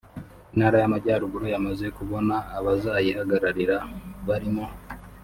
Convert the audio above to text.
Intara y’Amajyaruguru yamaze kubona abazayihagararira barimo